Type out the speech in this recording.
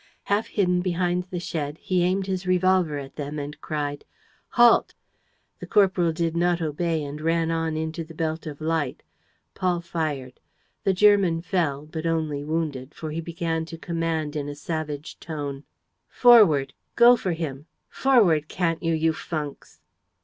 Half hidden behind the shed, he aimed his revolver at them and cried: "Halt!" The corporal did not obey and ran on into the belt of light. Paul fired. The German fell, but only wounded, for he began to command in a savage tone: "Forward! Go for him! Forward, can't you, you funks!"